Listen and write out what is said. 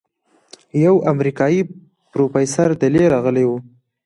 يو امريکايي پروفيسور دېلې رغلى و.